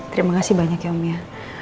terima kasih banyak ya om ya